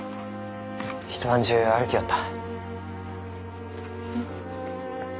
一晩中歩きよった。